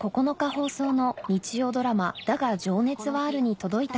放送の日曜ドラマ『だが、情熱はある』に届いた